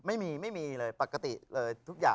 ไม่มีไม่มีเลยปกติเลยทุกอย่าง